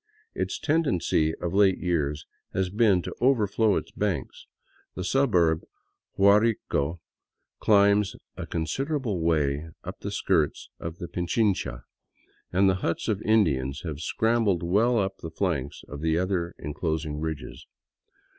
Its tendency of late years has been to over flow its banks ; the suburb of Guarico climbs a considerable way up the skirts of Pichincha, and the huts of Indians have scrambled well up the flanks of the other enclosing ridges.